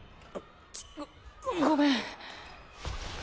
ごごめん。